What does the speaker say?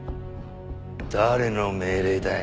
誰の命令だよ。